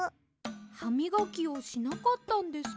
ハミガキをしなかったんですか？